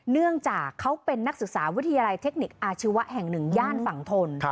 เนื่องจากเขาเป็นนักศึกษาวิทยาลัยเทคนิคอาชีวะแห่งหนึ่งย่านฝั่งทน